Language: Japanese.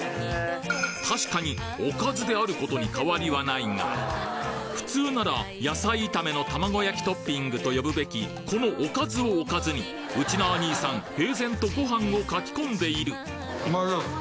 確かに「おかず」であることに変わりはないが普通なら野菜炒めの卵焼きトッピングと呼ぶべきこの「おかず」を「おかず」にうちな兄さん平然とご飯をかき込んでいる！